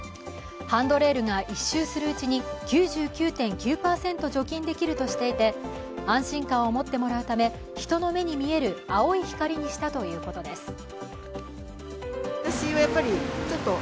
ハンドレールが１周するうちに、９９．９％除菌できるとしていて安心感を持ってもらうため、人の目に見える青い光にしたということです。